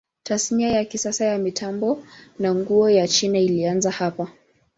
Tasnia ya kisasa ya mitambo na nguo ya China ilianza hapa.